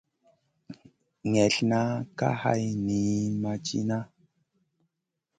Neslna ka hay niyn ma tìna.